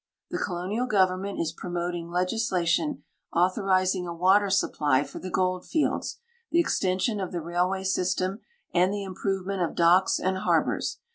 The colonial government is promoting legisla tion authorizing a water supply for the gold fields, the extension of the raihvaj^ system, and the improvement of docks and harbors.